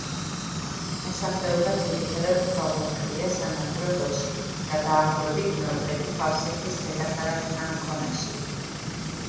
მოსახლეობა ძირითადად თავმოყრილია სანაპირო ზოლში და დაახლოებით მეოთხედი თავს იყრის დედაქალაქ ანკონაში.